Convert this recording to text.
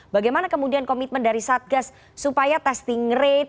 bagaimana kemudian komitmen dari satgas supaya testing rate